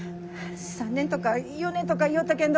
３年とか４年とかゆうたけんど